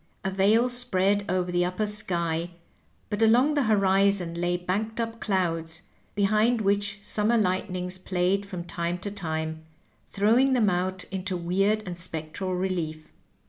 A veil spread over the upper sky, but along the horizon lay banked up clouds, behind which summer lightnings played from time to time, throw ing them out into weird and spectral relief.